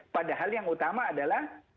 padahal yang utama adalah